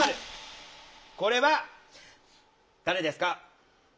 これは誰ですか？